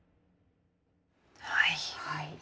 はい。